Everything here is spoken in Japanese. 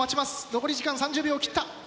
残り時間３０秒を切った。